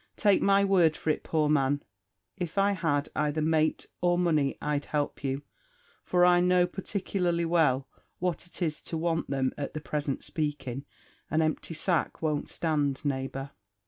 Take my word for it, poor man, if I had either mate or money I'd help you, for I know particularly well what it is to want them at the present spaking; an empty sack won't stand, neighbour."